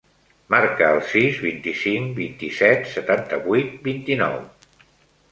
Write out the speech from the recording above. Marca el sis, vint-i-cinc, vint-i-set, setanta-vuit, vint-i-nou.